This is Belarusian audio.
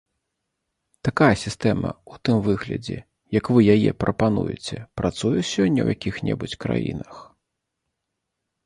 Такая сістэма ў тым выглядзе, як вы яе прапануеце, працуе сёння ў якіх-небудзь краінах?